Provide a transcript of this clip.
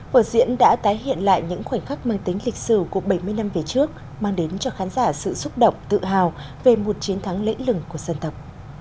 vở diễn đã tái hiện lại những khoảnh khắc mang tính lịch sử của bảy mươi năm về trước mang đến cho khán giả sự xúc động tự hào về một chiến thắng lễ lừng của dân tộc